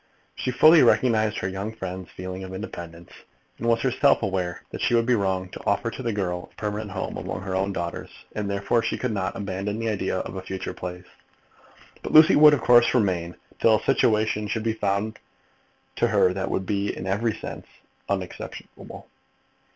She fully recognised her young friend's feeling of independence, and was herself aware that she would be wrong to offer to the girl a permanent home among her own daughters, and therefore she could not abandon the idea of a future place; but Lucy would, of course, remain till a situation should have been found for her that would be in every sense unexceptionable.